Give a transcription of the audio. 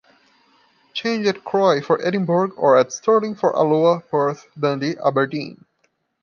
Change at Croy for Edinburgh or at Stirling for Alloa, Perth, Dundee, Aberdeen.